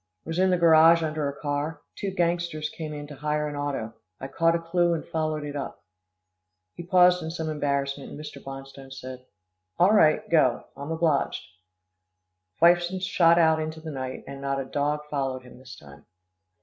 "Was in the garage under a car two gangsters came in to hire an auto I caught a clue and followed it up." He paused in some embarrassment, and Mr. Bonstone said, "All right, go. I'm obliged." Fifeson shot out into the night, and not a dog followed him this time.